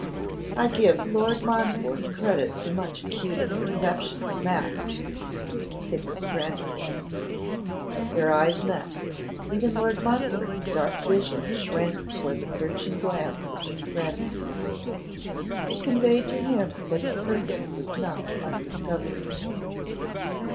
'I give Lord Montfort credit for much acuter perception than that,' said Miss Grandison. Their eyes met: even Lord Montfort's dark vision shrank before the searching glance of Miss Grandison. It conveyed to him that his purpose was not undiscovered.